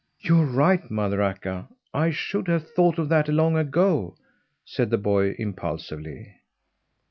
"You are right, Mother Akka. I should have thought of that long ago," said the boy impulsively.